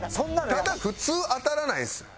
ただ普通当たらないです。